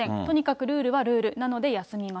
とにかくルールはルール。